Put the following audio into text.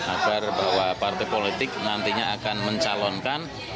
agar bahwa partai politik nantinya akan mencalonkan